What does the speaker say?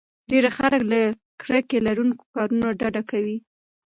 ډېری خلک له کرکې لرونکو کارونو ډډه کوي.